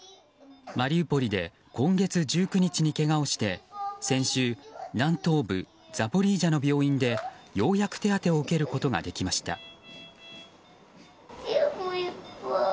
マリウポリで今月１９日にけがをして先週南東部ザポリージャの病院でようやく手当てを受けることができました。